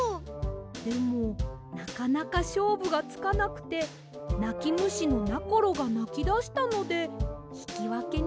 でもなかなかしょうぶがつかなくてなきむしのなころがなきだしたのでひきわけにしました。